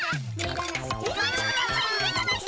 お待ちください